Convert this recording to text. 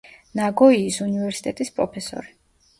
ნაგოიის უნივერსიტეტის პროფესორი.